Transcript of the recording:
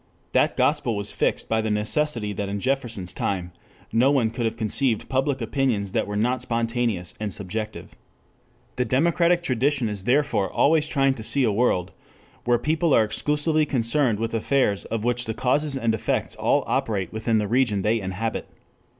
That gospel was fixed by the necessity that in Jefferson's time no one could have conceived public opinions that were not spontaneous and subjective. The democratic tradition is therefore always trying to see a world where people are exclusively concerned with affairs of which the causes and effects all operate within the region they inhabit.